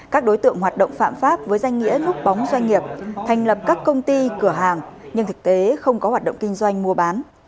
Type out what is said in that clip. các đối tượng hoạt động phạm pháp với danh nghĩa núp bóng doanh nghiệp thành lập các công ty cửa hàng nhưng thực tế không có hoạt động kinh doanh mua bán